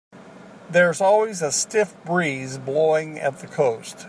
There's always a stiff breeze blowing at the coast.